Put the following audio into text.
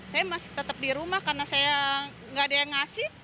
saya masih tetap di rumah karena saya nggak ada yang ngasih